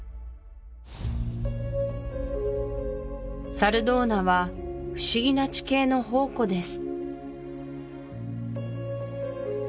サルドーナは不思議な地形の宝庫です